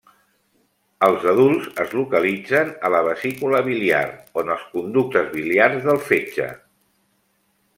Els adults es localitzen a la vesícula biliar o en els conductes biliars del fetge.